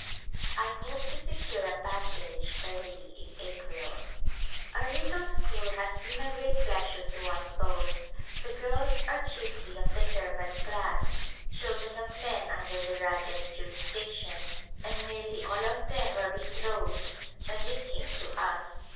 I hope to secure a passage early in April. Our little school has been a great pleasure to us both ; the girls are chiefly of the servant class, chil dren of men under the Rajah's jurisdiction, and nearly all of them were betrothed when they came to us.